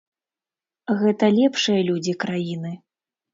Гэта лепшыя людзі краіны.